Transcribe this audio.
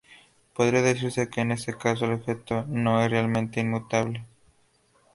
Podría decirse que en ese caso el objeto no es realmente inmutable.